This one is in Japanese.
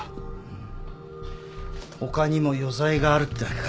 他にも余罪があるってわけか。